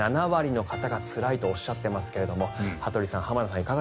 ７割の方がつらいとおっしゃっていますが羽鳥さん、浜田さん